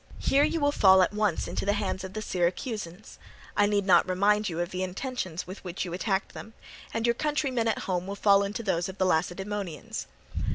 Here you will fall at once into the hands of the Syracusans—I need not remind you of the intentions with which you attacked them—and your countrymen at home will fall into those of the Lacedaemonians.